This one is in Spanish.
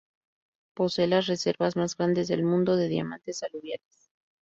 Posee las reservas más grandes del mundo de diamantes aluviales.